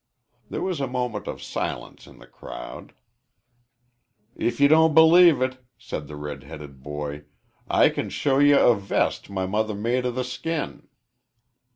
There was a moment of silence in the crowd. "If ye don't believe it," said the red headed boy, "I can show ye a vest my mother made out o' the skin."